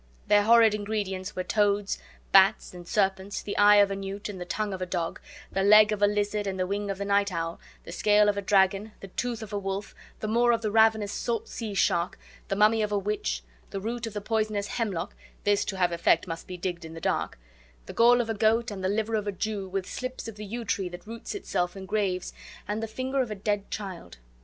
Their horrid ingredients were toads, bats, and serpents, the eye of a newt and the tongue of a dog, the leg of a lizard and the wing of the night owl, the scale of a dragon, the tooth of a wolf, the maw of the ravenous salt sea shark, the mummy of a witch, the root of the poisonous hemlock (this to have effect must be digged in the dark), the gall of a goat, and the liver of a Jew, with slips of the yew tree that roots itself in graves, and the finger of a dead child.